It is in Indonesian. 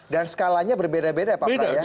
dan skalanya berbeda beda pak praet ya